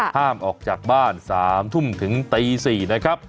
ห้ามออกจากบ้าน๓ทุ่มถึงตี๔นะครับ